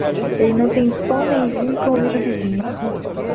Ele não tem pão nem vinho e convida o vizinho.